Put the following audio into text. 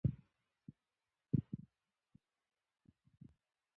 پښتانه ځان د وطن لپاره قرباني کوي.